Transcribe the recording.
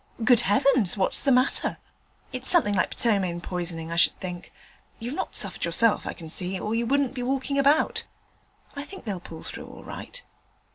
'Good heavens! what's the matter?' 'It's something like ptomaine poisoning, I should think: you've not suffered yourself, I can see, or you wouldn't be walking about. I think they'll pull through all right.'